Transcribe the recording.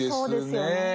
そうですよね。